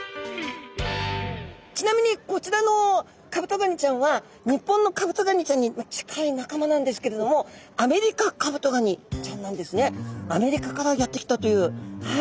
ちなみにこちらのカブトガニちゃんは日本のカブトガニちゃんに近い仲間なんですけれどもアメリカからやって来たというはい。